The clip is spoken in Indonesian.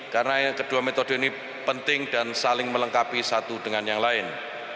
karena kedua metode ini penting dan saling melengkapi satu dengan yang lain